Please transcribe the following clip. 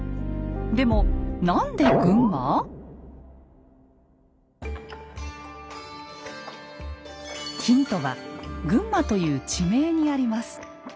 でもヒントは「群馬」という地名にあります。